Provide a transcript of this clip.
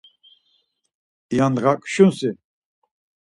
İya ndğa kşunsi?